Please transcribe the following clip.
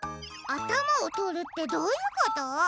あたまをとるってどういうこと？